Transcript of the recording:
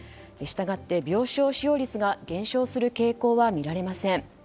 従って病床使用率が減少する傾向は見られません。